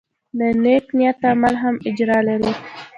د نیک نیت عمل هم اجر لري.